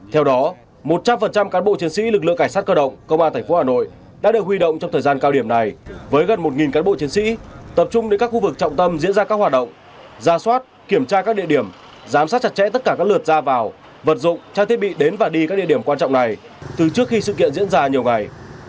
theo đó một trăm linh cán bộ chiến sĩ lực lượng cảnh sát cơ động công an tp hà nội đã được huy động trong thời gian cao điểm này với gần một cán bộ chiến sĩ tập trung đến các khu vực trọng tâm diễn ra các hoạt động ra soát kiểm tra các địa điểm giám sát chặt chẽ tất cả các lượt ra vào vật dụng trang thiết bị đến và đi các địa điểm quan trọng này từ trước khi sự kiện diễn ra nhiều ngày